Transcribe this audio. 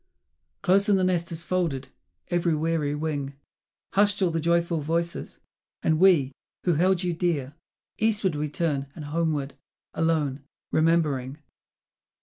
Close in the nest is folded every weary wing, Hushed all the joyful voices; and we, who held you dear, Eastward we turn and homeward, alone, remembering